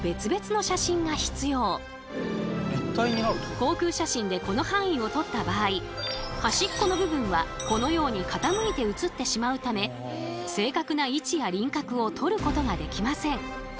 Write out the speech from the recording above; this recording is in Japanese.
航空写真でこの範囲を撮った場合端っこの部分はこのように傾いて映ってしまうため正確な位置や輪郭をとることができません。